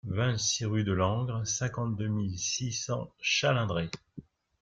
vingt-six rue de Langres, cinquante-deux mille six cents Chalindrey